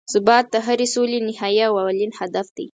ثبات د هرې سولې نهایي او اولین هدف دی.